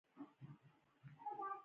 د کډوالو راستنیدل اقتصاد اغیزمنوي